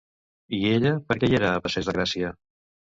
I ella per què hi era a passeig de Gràcia?